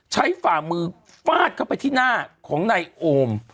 ฝ่ามือฟาดเข้าไปที่หน้าของนายโอม